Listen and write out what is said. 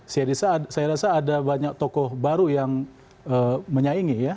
saya rasa ada banyak tokoh baru yang menyaingi ya